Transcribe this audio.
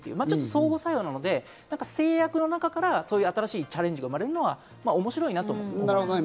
相互作用なので、制約の中から新しいチャレンジが生まれるのは面白いなとは思います。